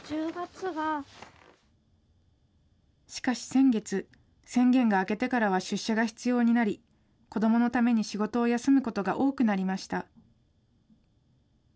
しかし先月、宣言が明けてからは出社が必要になり、子どものために仕事を休むことが多くなりました。